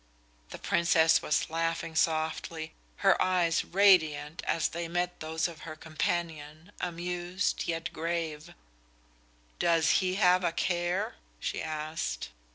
The Princess was laughing softly, her eyes radiant as they met those of her companion, amused yet grave. "Does he have a care?" she asked.